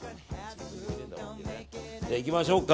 じゃあ、いきましょうか。